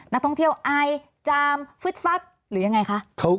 นักท่องเที่ยวอายจามฟึดฟัดหรือยังไงคะ